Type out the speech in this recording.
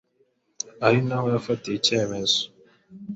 ari naho yafatiye icyemezo